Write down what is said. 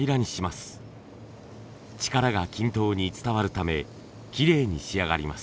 力が均等に伝わるためきれいに仕上がります。